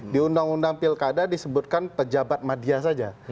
di undang undang pilkada disebutkan pejabat media saja